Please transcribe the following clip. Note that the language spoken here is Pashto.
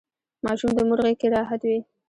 ماشوم د مور غیږکې راحت وي.